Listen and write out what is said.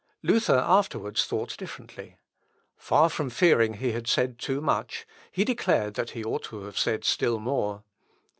Luther afterwards thought differently. Far from fearing he had said too much, he declared that he ought to have said still more.